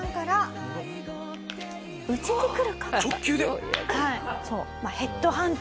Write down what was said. はい。